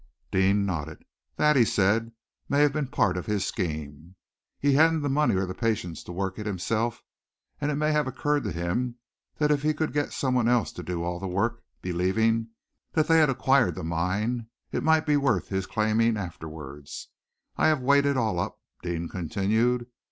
Deane nodded. "That," he said, "may have been part of his scheme. He hadn't the money or the patience to work it himself, and it may have occurred to him that if he could get someone else to do all the work, believing that they had acquired the mine, it might be worth his claiming afterwards. I have weighed it all up," Deane continued.